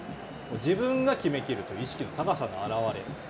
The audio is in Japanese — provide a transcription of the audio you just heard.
自分が決めきるという意識の高さの表れ。